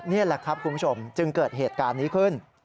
นี่แหละครับคุณผู้ชมจึงเกิดเหตุการณ์นี้ขึ้น